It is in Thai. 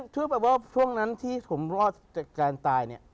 ช่วงนั้นที่ผมรอดจากการตาย